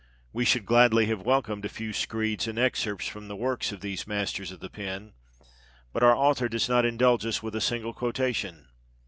We should gladly have welcomed a few screeds and excerpts from the works of these masters of the pen, but our author does not indulge us with a single quotation.